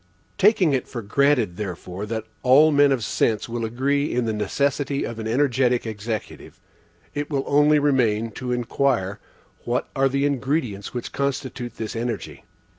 Taking it for granted, therefore, that all men of sense will agree in the necessity of an energetic Executive, it will only remain to inquire, what are the ingredients which constitute this energy?